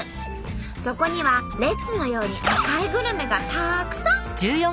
そこにはレッズのように赤いグルメがたくさん！